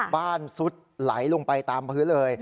บ้านสุดไหลลงไปตามพื้นเลย